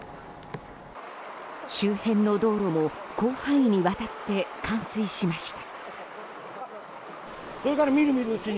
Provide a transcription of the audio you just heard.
周辺の道路も広範囲にわたって冠水しました。